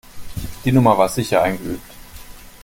Die Nummer war sicher eingeübt.